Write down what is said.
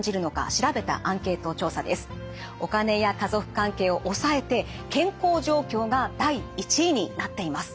お金や家族関係を抑えて健康状況が第１位になっています。